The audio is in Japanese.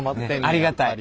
ありがたい。